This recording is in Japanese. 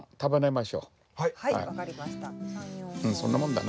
うんそんなもんだな。